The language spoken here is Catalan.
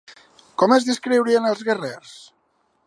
Com es descriuen els guerrers?